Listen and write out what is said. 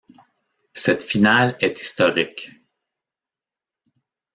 Cette finale est historique.